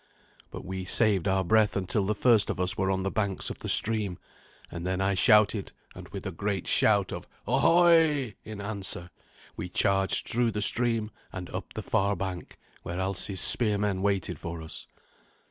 But we saved our breath until the first of us were on the banks of the stream, and then I shouted, and with a great shout of "Ahoy!" in answer, we charged through the stream and up the far bank, where Alsi's spearmen waited for us.